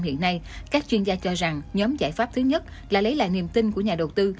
hiện nay các chuyên gia cho rằng nhóm giải pháp thứ nhất là lấy lại niềm tin của nhà đầu tư